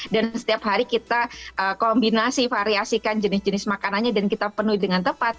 dan setiap hari kita kombinasi variasikan jenis jenis makanannya dan kita penuhi dengan tepat